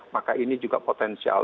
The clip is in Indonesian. maka ini juga potensial